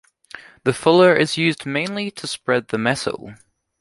The fuller is used mainly to spread the metal.